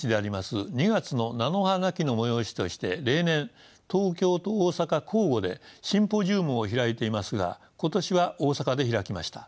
２月の菜の花忌の催しとして例年東京と大阪交互でシンポジウムを開いていますが今年は大阪で開きました。